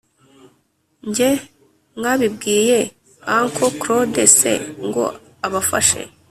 njye: mwabibwiye auncle claude c ngo abafashe?